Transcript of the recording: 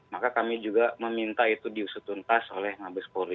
maka kami juga meminta itu diusut untas oleh mabes polri